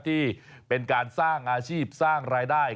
ที่เป็นการสร้างอาชีพสร้างรายได้